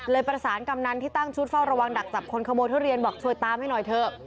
ประสานกำนันที่ตั้งชุดเฝ้าระวังดักจับคนขโมยทุเรียนบอกช่วยตามให้หน่อยเถอะ